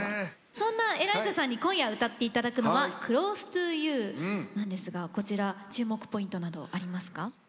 そんなＥＬＡＩＺＡさんに今夜歌っていただくのは「Ｃｌｏｓｅｔｏｙｏｕ」なんですがこちら注目ポイントなどありますか。